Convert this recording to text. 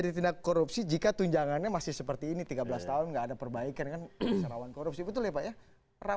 kita akan klarifikasinya di saat yang berikut ya pak ketua